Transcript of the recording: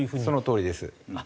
そのとおりです。